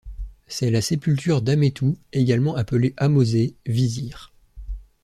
C'est la sépulture d'Amethou également appelé Ahmosé, vizir.